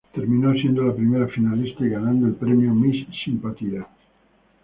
Terminó siendo la primera finalista y ganando el premio Miss Simpatía.